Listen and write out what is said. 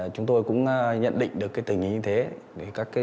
chúng tôi cũng nhận định được tình hình như thế